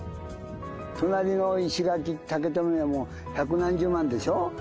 隣の石垣・竹富はもう百何十万でしょ？